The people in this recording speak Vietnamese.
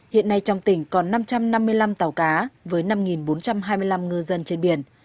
hiện nay trong tỉnh còn năm trăm năm mươi năm tàu cá với năm bốn trăm hai mươi năm ngư dân trên biển